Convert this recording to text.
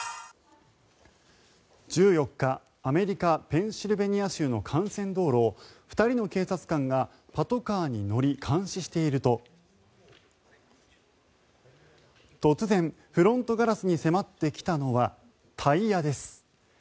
１４日アメリカ・ペンシルベニア州の幹線道路を、２人の警察官がパトカーに乗り監視していると突然、フロントガラスに迫ってきたのはタイヤです。